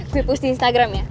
gue post di instagram ya